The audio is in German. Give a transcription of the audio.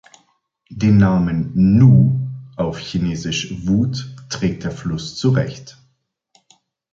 Den Namen „Nu“, auf Chinesisch Wut, trägt der Fluss zu Recht.